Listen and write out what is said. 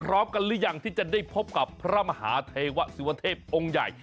พร้อมกันหรือยังที่จะได้พบกับพระมหาเทวะสุวเทพองค์ใหญ่